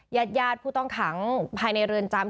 ยาดผู้ต้องคังภายในเรือนจำ